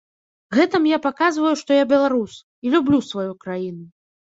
Гэтым я паказваю, што я беларус і люблю сваю краіну.